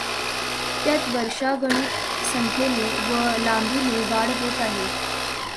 त्यात वर्षागणिक संख्येने व लांबीने वाढ होत आहे.